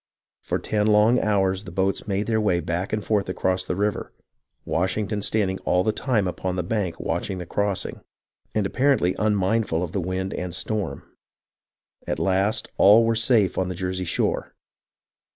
For ten long hours the boats made their way back and forth across the river, Washing ton standing all the time upon the bank watching the crossing, and apparently unmindful of the wind and storm ; and at last all were safe on the Jersey shore.